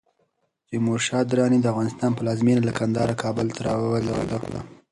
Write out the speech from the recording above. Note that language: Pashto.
تیمور شاه دراني د افغانستان پلازمېنه له کندهاره کابل ته راولېږدوله.